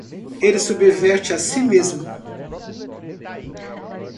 Ele subverte a si mesmo.